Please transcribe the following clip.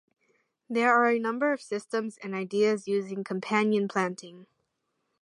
There are a number of systems and ideas using companion planting.